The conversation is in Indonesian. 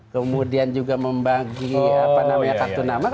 kemudian juga membagi apa namanya kartu nama